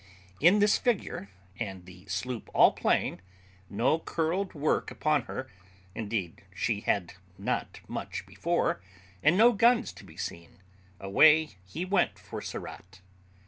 In this figure, and the sloop all plain, no curled work upon her (indeed she had not much before), and no guns to be seen, away he went for Surat.